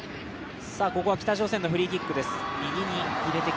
ここは北朝鮮のフリーキックです。